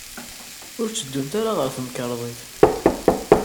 Ur tteddunt ara ɣer temkarḍit.